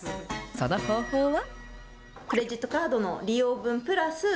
その方法は。